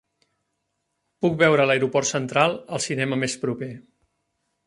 Puc veure l'aeroport central al cinema més proper